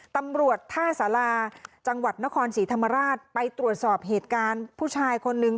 ตำรวจท่าสาราจังหวัดนครศรีธรรมราชไปตรวจสอบเหตุการณ์ผู้ชายคนนึง